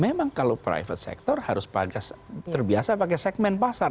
memang kalau private sector harus terbiasa pakai segmen pasar